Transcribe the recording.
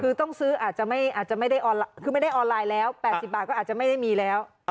คือต้องซื้ออาจจะไม่ได้คือไม่ได้ออนไลน์แล้ว๘๐บาทก็อาจจะไม่ได้มีแล้ว